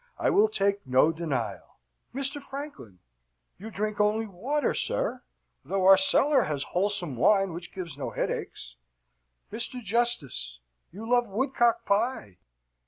I will take no denial! Mr. Franklin, you drink only water, sir, though our cellar has wholesome wine which gives no headaches. Mr. Justice, you love woodcock pie?"